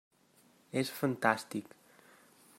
És fantàstic.